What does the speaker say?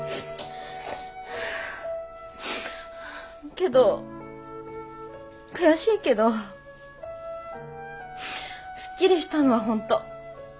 けど悔しいけどすっきりしたのは本当。